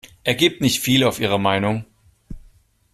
Er gibt nicht viel auf ihre Meinung.